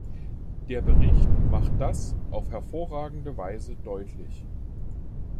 Der Bericht macht das auf hervorragende Weise deutlich.